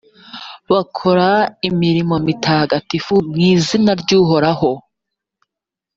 bakora imirimo mitagatifu mu izina ry’uhoraho.